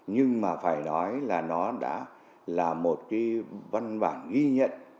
nhưng mà phải nói là nó đã là một cái văn bản ghi nhận